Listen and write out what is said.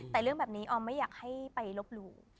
แต่เรื่องแบบนี้ออมไม่อยากให้ไปลบหลู่